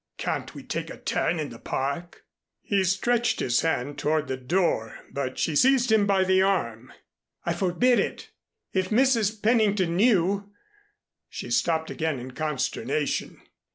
Can't we take a turn in the Park?" He stretched his hand toward the door, but she seized him by the arm. "I forbid it. If Mrs. Pennington knew " she stopped again in consternation.